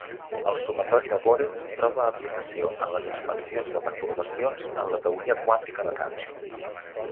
El sumatori de Borel troba aplicació en les expansions de pertorbacions en la teoria quàntica de camps.